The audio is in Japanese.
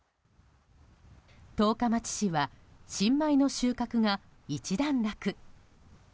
十日町市は新米の収穫が一段落。